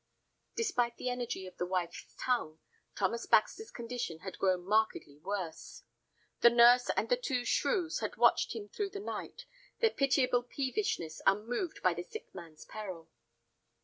Despite the energy of his wife's tongue, Thomas Baxter's condition had grown markedly worse. The nurse and the two shrews had watched by him through the night, their pitiable peevishness unmoved by the sick man's peril.